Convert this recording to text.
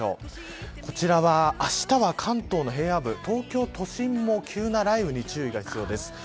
こちらは、あしたは関東の平野部東京都心も急な雷雨に注意が必要です。